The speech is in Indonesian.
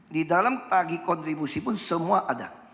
di dalam tagi kontribusi pun semua ada